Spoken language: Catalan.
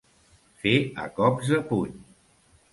Fer a cops de puny.